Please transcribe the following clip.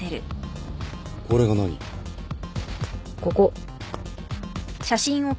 ここ。